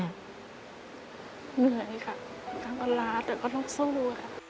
เหนื่อยค่ะทั้งวันลาแต่ก็ต้องสู้ค่ะ